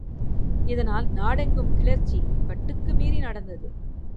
இதனால் நாடெங்கும் கிளர்ச்சி கட்டுக்கு மீறி நடந்தது.